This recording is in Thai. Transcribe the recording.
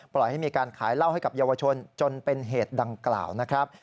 ให้มีการขายเหล้าให้กับเยาวชนจนเป็นเหตุดังกล่าวนะครับ